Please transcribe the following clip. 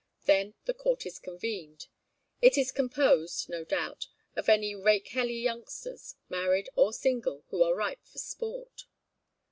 Then the court is convened. It is composed, no doubt, of any rakehelly youngsters, married or single, who are ripe for sport.